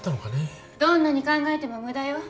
どんなに考えても無駄よ。